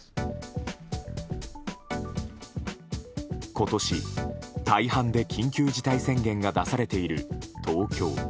今年、大半で緊急事態宣言が出されている東京。